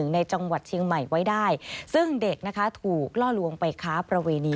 ในจังหวัดเชียงใหม่ไว้ได้ซึ่งเด็กนะคะถูกล่อลวงไปค้าประเวณี